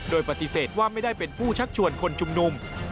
โดยปฏิเสธว่าไม่ได้เป็นผู้ชักชวนคนชุมนุม